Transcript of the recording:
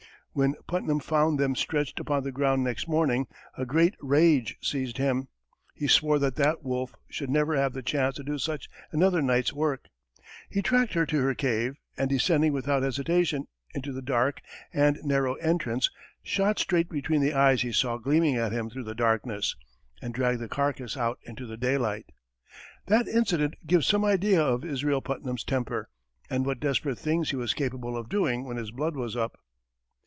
When Putnam found them stretched upon the ground next morning, a great rage seized him; he swore that that wolf should never have the chance to do such another night's work; he tracked her to her cave, and descending without hesitation into the dark and narrow entrance, shot straight between the eyes he saw gleaming at him through the darkness, and dragged the carcass out into the daylight. That incident gives some idea of Israel Putnam's temper, and what desperate things he was capable of doing when his blood was up.